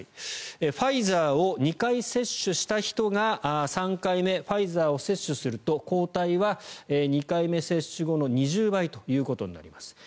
ファイザーを２回接種した人が３回目ファイザーを接種すると抗体は２回目接種後の２０倍ということになります。